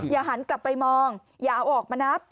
หันกลับไปมองอย่าเอาออกมานับ